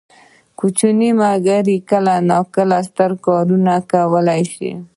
کوچني ملګري هم کله کله ستر کارونه کولی شي.